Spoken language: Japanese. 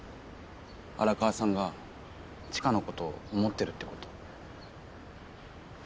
荒川さんが知花のこと思ってるってこと。